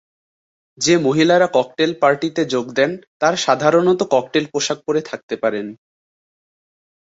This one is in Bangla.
যে মহিলারা ককটেল পার্টিতে যোগ দেন তারা সাধারণত ককটেল পোশাক পরে থাকতে পারেন।